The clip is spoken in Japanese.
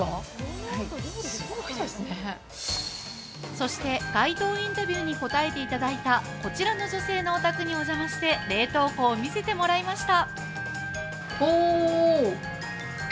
そして街頭インタビューに答えていただいたこちらの女性のお宅にお邪魔して冷凍庫を見せてもらいました。